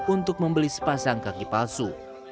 untuk membeli sepasang kaki palsu